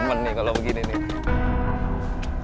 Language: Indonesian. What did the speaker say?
momen nih kalau begini nih